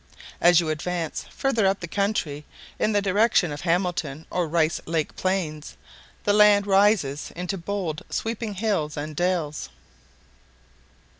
As you advance farther up the country, in the direction of the Hamilton or Rice Lake plains, the land rises into bold sweeping hills and dales.